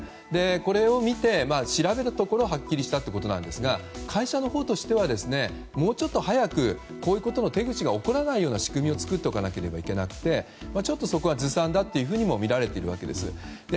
これを見て、調べたところはっきりしたということですが会社のほうとしてはもうちょっと早くこういうことの手口が起こらないような仕組みを作っておかなければいけなくてちょっとそこはずさんだというふうにみられているわけです。